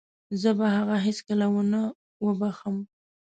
زه به هغه هيڅکله ونه وبښم.